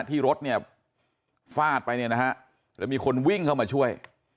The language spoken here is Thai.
ที่รถเนี่ยฟาดไปเนี่ยนะฮะแล้วมีคนวิ่งเข้ามาช่วย